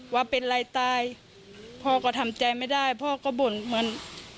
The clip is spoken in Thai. ว่าเป็นอะไรตายพ่อก็ทำใจไม่ได้พ่อก็บ่นเหมือน